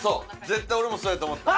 絶対俺もそうやと思った。